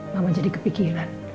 mama jadi kepikiran